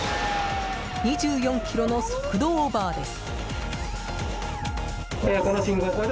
２４キロの速度オーバーです。